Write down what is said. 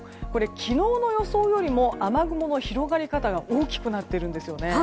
昨日の予想よりも雨雲の広がり方が大きくなっているんですよね。